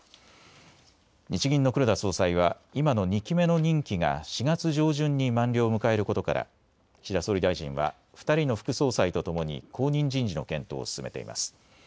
日銀の黒田総裁は今の２期目の任期が４月上旬に満了を迎えることから岸田総理大臣は２人の副総裁とともに後任人事の検討を進めています。